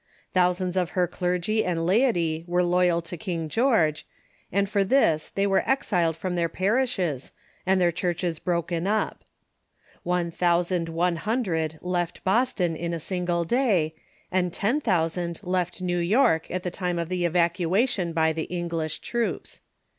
Thousands of her clergy and laity Avere loyal to King George, and for this they were LoyaMsts C '^i^G^^ from their parishes, and their churches broken up. One thousand one hundred left Boston in a single day, and ten thousand left New York at the time of the evac uation by the English troops.